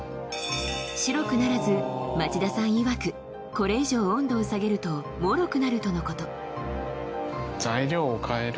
白くならず町田さんいわくこれ以上温度を下げるともろくなるとのこと